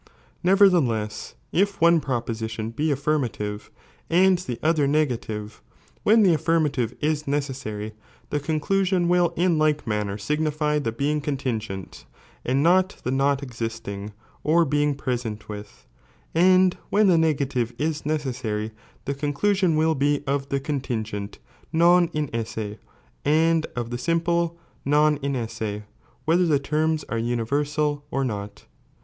Kevertheless, if one proposition he affirmative, and the other negative, when the offirtnative is necessary, the conclusion will in like manner agnify the being contingent, and not the not existing or being present with ; and when the negative is necessary, the con chutna will be of the coDtingeiit non inct<se, and of the sim 1^ non inessc, whether the terms are nnivei'ssl or not.